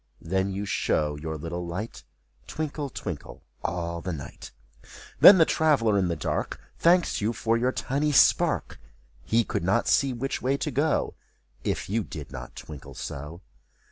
Then you show your little light, Twinkle, twinkle, all the night. Then the traveler in the dark. Thanks you for your tiny spark ! He could not see which way to go, If you did not twinkle so.